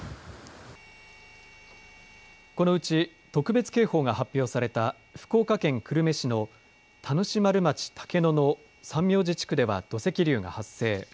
このうち特別警報が発表された福岡県久留米市の田主丸町竹野の三明寺地区では土石流が発生。